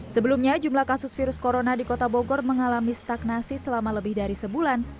sebelumnya jumlah kasus virus corona di kota bogor mengalami stagnasi selama lebih dari sebulan